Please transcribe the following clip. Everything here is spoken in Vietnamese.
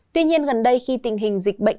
tuy nhiên gần đây khi tình hình dịch bệnh